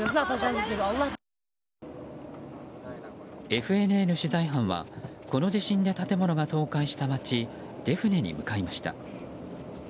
ＦＮＮ取材班はこの地震で建物が倒壊した街デフネに向かいました。